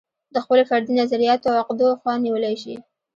د خپلو فردي نظریاتو او عقدو خوا نیولی شي.